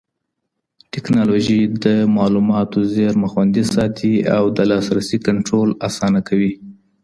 ټکنالوژي د معلوماتو زېرمه خوندي ساتي او د لاسرسي کنټرول آسانه کوي.